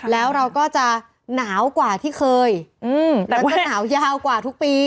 แล้วเราก็จะหนาวกว่าที่เคยแต่จะหนาวยาวกว่าทุกปี